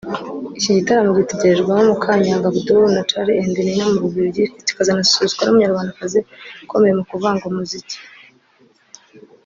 Iki gitaramo gitegerejwemo Makanyaga Abdoul na Charly & Nina mu Bubiligi kizanasusurutswa n’Umunyarwandakazi ukomeye mu kuvanga umuziki